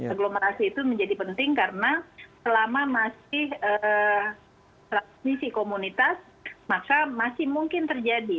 aglomerasi itu menjadi penting karena selama masih transmisi komunitas maka masih mungkin terjadi